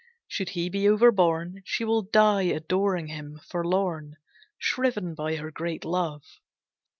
Should he be overborne, she will die adoring him, forlorn, shriven by her great love.